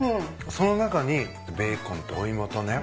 その中にベーコンとお芋とね。